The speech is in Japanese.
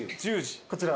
こちら。